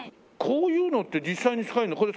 こういうのって実際に使えるの？